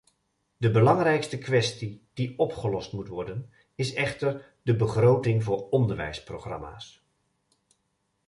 De belangrijkste kwestie die opgelost moet worden is echter de begroting voor onderwijsprogramma's.